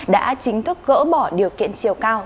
đã chính thức gỡ bỏ điều kiện chiều cao